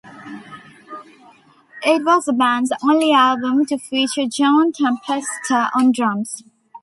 It was the band's only album to feature John Tempesta on drums.